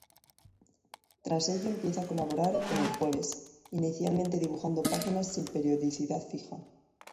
Tras ello empieza a colaborar con "El Jueves" inicialmente dibujando páginas sin periodicidad fija.